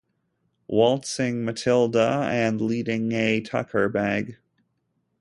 Waltzing Matilda and leading a "tucker" bag.